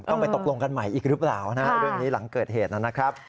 ไปตกลงกันใหม่อีกหรือเปล่านะเรื่องนี้หลังเกิดเหตุนะครับ